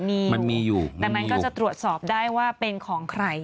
มีมันมีอยู่แต่มันก็จะตรวจสอบได้ว่าเป็นของใคร